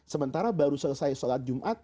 sementara baru selesai sholat jumat